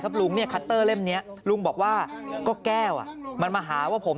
ลุงเนี่ยคัตเตอร์เล่มนี้ลุงบอกว่าก็แก้วอ่ะมันมาหาว่าผม